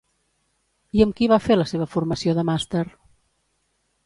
I amb qui va fer la seva formació de màster?